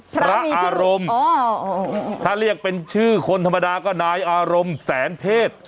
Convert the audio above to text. พระอารมณ์ถ้าเรียกเป็นชื่อคนธรรมดาก็นายอารมณ์แสนเพศ